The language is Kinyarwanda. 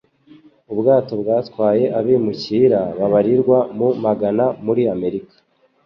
Ubwato bwatwaye abimukira babarirwa mu magana muri Amerika.